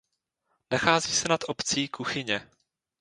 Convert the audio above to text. Nachází se nad obcí Kuchyně.